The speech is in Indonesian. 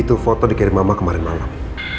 itu foto dikirim mama kemarin malam